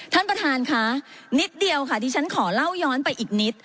ท่านประธานค่ะนิดเดียวค่ะดิฉันขอเล่าย้อนไปอีกนิด